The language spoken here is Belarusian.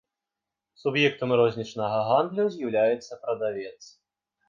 Суб'ектам рознічнага гандлю з'яўляецца прадавец.